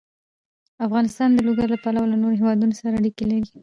افغانستان د لوگر له پلوه له نورو هېوادونو سره اړیکې لري.